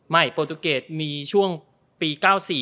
ไม่โปรตูเกรดมีช่วงปี